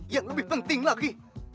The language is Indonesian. yang lebih penting lagi